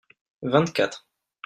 vingt quatre.